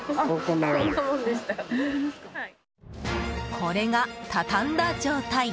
これが畳んだ状態。